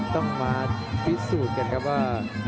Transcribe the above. ต้องมาพิสูจน์กันครับว่า